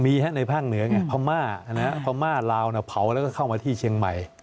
มีฮะในภาคเหนือไงพม่าพม่าลาวเผาแล้วก็เข้ามาที่เชียงใหม่